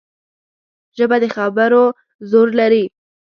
ژبه د خبرو زور لري